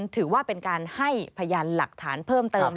ถือว่าเป็นการให้พยานหลักฐานเพิ่มเติม